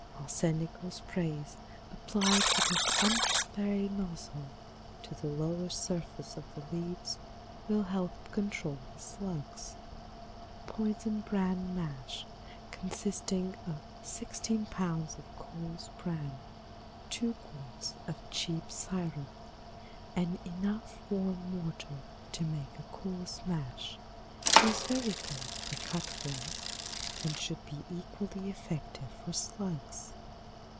Arsenical sprays applied with an underspray nozzle to the lower surface of the leaves will help control the slugs. Poison bran mash consisting of 16 pounds of coarse bran, 2 quarts of cheap syrup, and enough warm water to make a coarse mash, is very good for cutworms and should be equally effective for slugs.